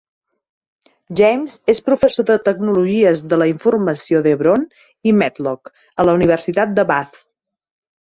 James és professor de tecnologies de la informació d'Hebron i Medlock, a la Universitat de Bath.